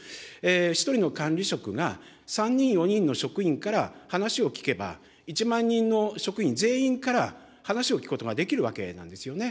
１人の管理職が３人、４人の職員から話を聞けば、１万人の職員全員から話を聞くことができるわけなんですよね。